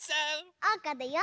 おうかだよ！